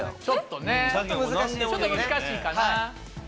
ちょっとねちょっと難しいかな。